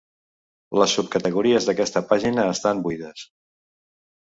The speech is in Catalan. Les subcategories d'aquesta pàgina estan buides.